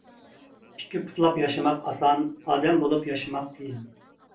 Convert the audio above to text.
ئىككى پۇتلاپ ياشىماق ئاسان، ئادەم بولۇپ ياشىماق قىيىن.